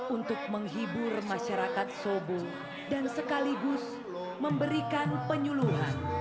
untuk menghibur masyarakat sobo dan sekaligus memberikan penyuluhan